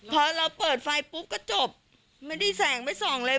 พอเราเปิดไฟปุ๊บก็จบไม่ได้แสงไม่ส่องเลย